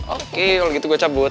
oke kalau gitu gue cabut